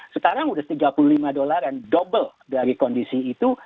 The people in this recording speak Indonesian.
sekarang sudah tiga puluh lima dolar dan double dari kondisi itu